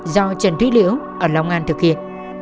do trần thúy liễu ở long an thực hiện